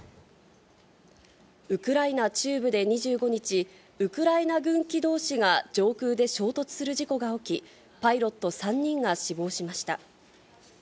ウクライナ中部で２５日、ウクライナ軍機どうしが上空で衝突する事故が起き、パイロット３人が死亡しました。